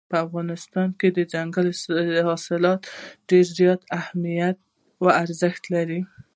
په افغانستان کې ځنګلي حاصلات ډېر زیات اهمیت او ارزښت لري.